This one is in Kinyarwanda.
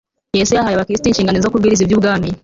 Yesu yahaye Abakristo inshingano yo kubwiriza iby Ubwami